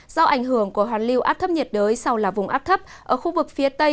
do ảnh hưởng của hoàn lưu áp thấp nhiệt đới sau là vùng áp thấp ở khu vực phía tây